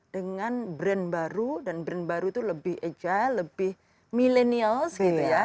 dengan brand baru dan brand baru itu lebih agile lebih millennials gitu ya